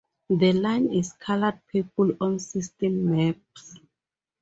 The line is colored purple on system maps.